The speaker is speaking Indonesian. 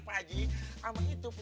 tapi ini pas dalam lingkungan